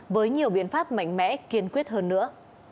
với nhiều biện pháp mạnh mẽ kiên quyết hơn nữa